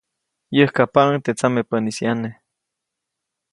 Yäjkajpaʼuŋ teʼ tsamepäʼnis ʼyane.